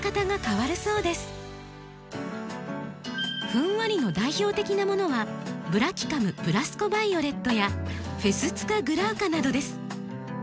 ふんわりの代表的なものはブラキカムブラスコバイオレットやフェスツカグラウカなどです。